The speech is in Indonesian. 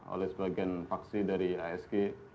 oleh sebagian faksi dari asg